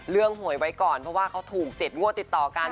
เรื่องหวยไว้ก่อนเพราะว่าเขาถูกเจ็ดงวติดต่อกัน